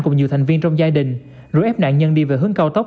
cùng nhiều thành viên trong giai đình rồi ép nạn nhân đi về hướng cao tốc